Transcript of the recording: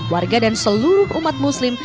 warga dan seluruh umat muslim